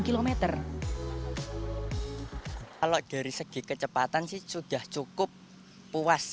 kalau dari segi kecepatan sih sudah cukup puas